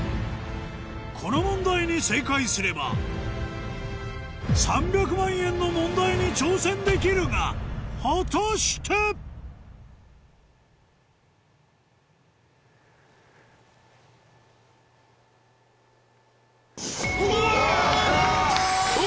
この問題に正解すれば３００万円の問題に挑戦できるが果たして⁉うお！